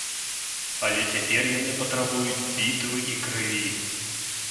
Але цяпер яны патрабуюць бітвы і крыві!